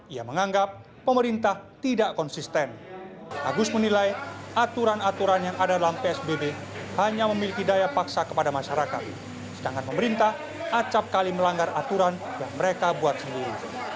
ia menganggap pemerintah tidak konsisten agus menilai aturan aturan yang ada dalam psbb hanya memiliki daya paksa kepada masyarakat sedangkan pemerintah acapkali melanggar aturan yang mereka buat sendiri